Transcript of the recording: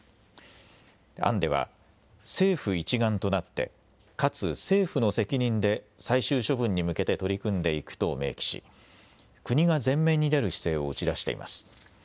案では政府一丸となってかつ政府の責任で最終処分に向けて取り組んでいくと明記し国が前面に出る姿勢を打ち出しています。